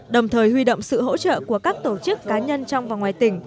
đồng thời huy động sự hỗ trợ của các tổ chức cá nhân trong và ngoài tỉnh